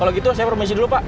kalau gitu saya promisi dulu pak